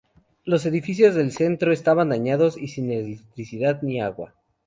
Los edificios del centro estaban dañados y sin electricidad ni agua.